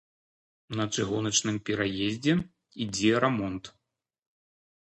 На чыгуначным пераездзе ідзе рамонт.